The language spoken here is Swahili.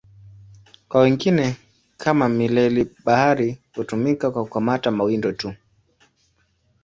Kwa wengine, kama mileli-bahari, hutumika kwa kukamata mawindo tu.